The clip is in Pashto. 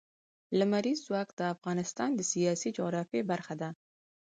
لمریز ځواک د افغانستان د سیاسي جغرافیه برخه ده.